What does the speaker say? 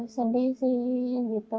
sedih sih gitu